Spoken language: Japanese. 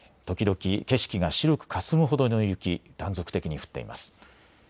時々景色が白くかすむほどの雪、断続的に降っています。